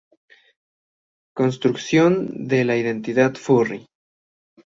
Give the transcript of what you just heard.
Construcción de la identidad furry.